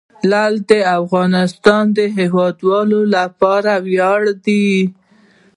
لعل د افغانستان د هیوادوالو لپاره ویاړ دی.